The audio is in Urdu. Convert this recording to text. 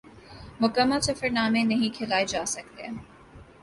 مکمل سفر نامے نہیں کھلائے جا سکتے